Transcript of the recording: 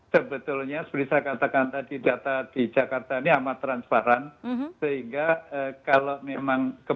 sebetulnya seperti saya katakan tadi data di jakarta ini amat transparan sehingga kalau memang